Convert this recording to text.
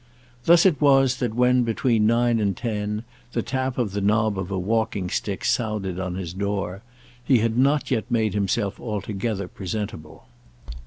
Thus it was that when, between nine and ten, the tap of the knob of a walking stick sounded on his door, he had not yet made himself altogether presentable.